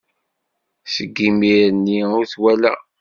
Seg yimir-nni ur t-walaɣ.